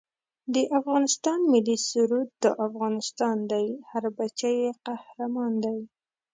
د افغانستان ملي سرود دا افغانستان دی هر بچه یې قهرمان دی